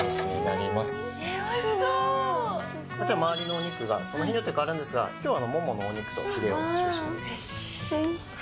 周りのお肉がその日によって変わるんですが今日はモモのお肉とヒレを使用しています。